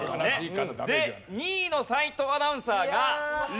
で２位の斎藤アナウンサーが。